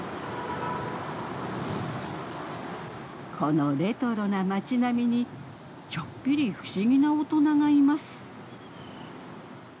このレトロな町並みにちょっぴり不思議な大人がいます。